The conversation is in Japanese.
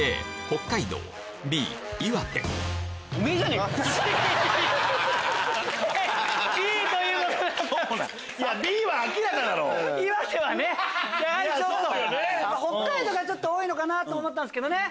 北海道がちょっと多いのかなと思ったんすけどね。